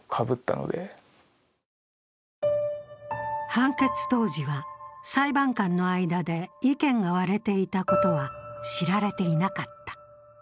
判決当時は、裁判官の間で意見が割れていたことは知られていなかった。